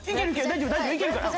大丈夫大丈夫いけるから。